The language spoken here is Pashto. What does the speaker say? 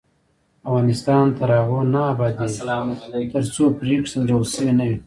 افغانستان تر هغو نه ابادیږي، ترڅو پریکړې سنجول شوې نه وي.